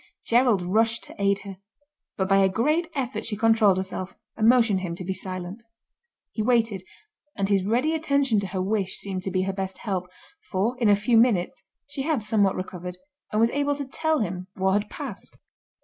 Gerald rushed to aid her, but by a great effort she controlled herself and motioned him to be silent. He waited, and his ready attention to her wish seemed to be her best help, for, in a few minutes, she had somewhat recovered, and was able to tell him what had passed.